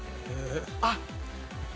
あっ。